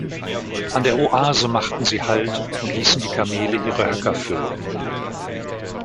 An der Oase machten sie Halt und ließen die Kamele ihre Höcker füllen.